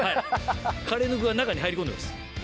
カレーの具が中に入り込んでます。